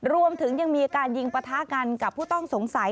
รวมถึงยังมีการยิงปะทะกันกับผู้ต้องสงสัย